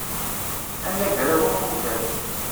Anagraw afukan.